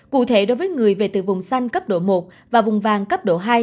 cụ thể đối với người về từ vùng xanh cấp độ một và vùng vàng cấp độ hai